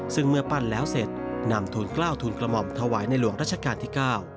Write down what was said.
ซึ่งเมื่อปั้นแล้วเสร็จนำทูลกล้าวทูลกระหม่อมถวายในหลวงรัชกาลที่๙